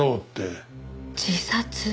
自殺。